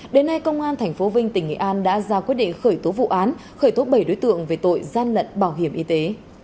đến nay công an tp vinh tỉnh nghệ an đã ra quyết định khởi tố vụ án khởi tố bảy đối tượng về tội gian lận bảo hiểm y tế